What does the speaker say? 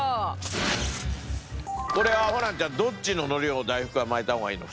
これはホランちゃんどっちの海苔を大福は巻いた方がいいの？